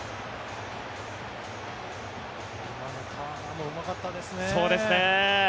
今のターナーもうまかったですね。